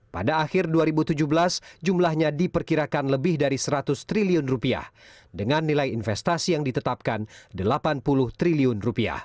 pada akhir dua ribu tujuh belas jumlahnya diperkirakan lebih dari rp seratus triliun dengan nilai investasi yang ditetapkan rp delapan puluh triliun